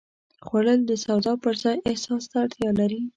خوړل د سواد پر ځای احساس ته اړتیا لري